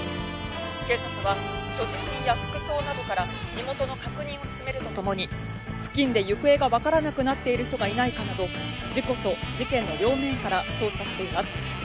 警察は所持品や服装などから身元の確認を進めるとともに付近で行方が分からなくなっている人がいないかなど事故と事件の両面から捜査しています。